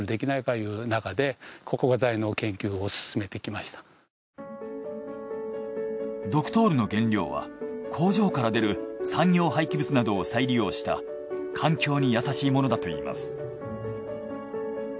そしてドクトールの原料は工場から出る産業廃棄物などを再利用した環境に優しいものだといいます。